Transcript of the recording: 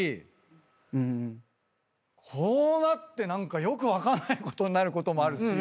こうなってよく分かんないことになることもあるし。